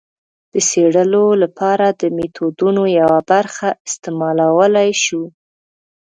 د څېړلو لپاره د میتودونو یوه برخه استعمالولای شو.